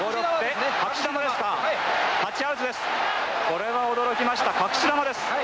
これは驚きました隠し球です。